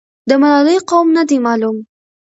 د ملالۍ قوم نه دی معلوم.